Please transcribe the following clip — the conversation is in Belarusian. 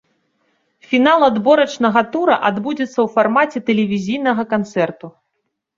Фінал адборачнага тура адбудзецца ў фармаце тэлевізійнага канцэрту.